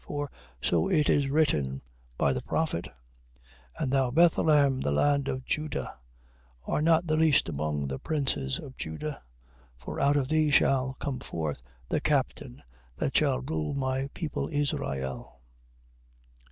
For so it is written by the prophet: 2:6. And thou Bethlehem the land of Juda art not the least among the princes of Juda: for out of thee shall come forth the captain that shall rule my people Israel.